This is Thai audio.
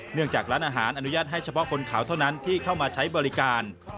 จากร้านอาหารอนุญาตให้เฉพาะคนขาวเท่านั้นที่เข้ามาใช้บริการ